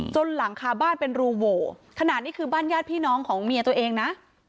หลังคาบ้านเป็นรูโหวขนาดนี้คือบ้านญาติพี่น้องของเมียตัวเองนะ